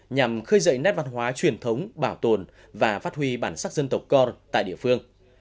nhằm khơi dậy nét văn hóa truyền thống bảo tồn và phát huy bản sắc dân tộc co r tại địa phương